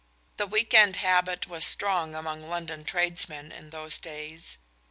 The week end habit was strong among London tradesmen in those days.